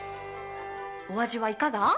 お味はいかが？